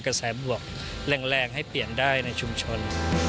กระแสบวกแรงให้เปลี่ยนได้ในชุมชน